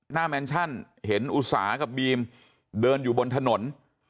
แมนชั่นเห็นอุตสากับบีมเดินอยู่บนถนน